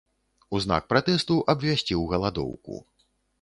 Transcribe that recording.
У знак пратэсту абвясціў галадоўку.